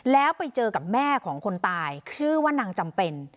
แล้วไปเจอกับแม่ของคนตายชื่อว่านางจำเป็น